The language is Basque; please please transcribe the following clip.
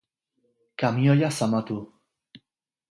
kamioia zamatu